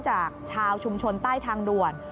จากชาวชุมชนใต้ทางด่วน